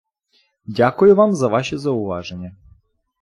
дякую вам за ваші зауваження!